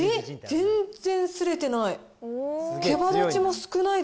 全然すれてない。